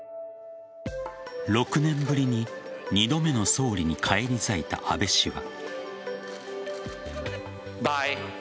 ６年ぶりに２度目の総理に返り咲いた安倍氏は。